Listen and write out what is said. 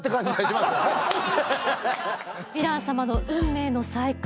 ヴィラン様の運命の再会